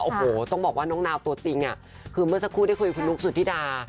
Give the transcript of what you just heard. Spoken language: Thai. โอ้โหต้องบอกว่าน้องนาวตัวจริงคือเมื่อสักครู่ได้คุยกับคุณนุกสุธิดา